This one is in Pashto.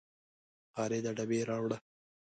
خالده ډبې راوړه